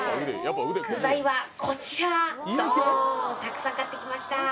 具材はこちらドーンたくさん買ってきました